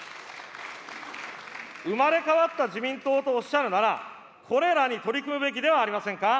生まれ変わった自民党とおっしゃるなら、これらに取り組むべきではありませんか。